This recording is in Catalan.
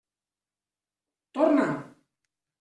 Torna!